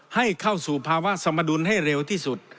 ให้เข้าสู่ภาวะสมดุลให้เร็วที่สุด